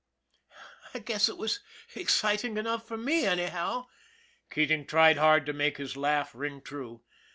" I guess it was exciting enough for me, anyhow " Keating tried hard to make his laugh ring true.